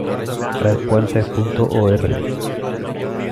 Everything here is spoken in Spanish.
Red Puentes.org